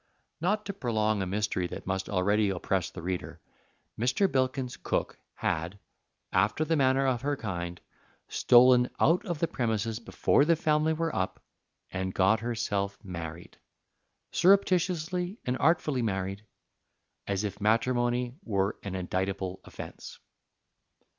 Not to prolong a mystery that must already oppress the reader, Mr. Bilkins's cook had, after the manner of her kind, stolen out of the premises before the family were up and got herself married surreptitiously and artfully married as if matrimony were an indictable offense.